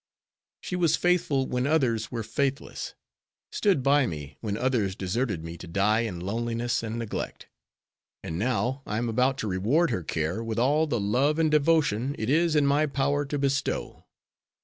She was faithful when others were faithless, stood by me when others deserted me to die in loneliness and neglect, and now I am about to reward her care with all the love and devotion it is in my power to bestow.